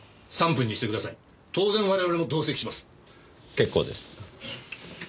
結構です。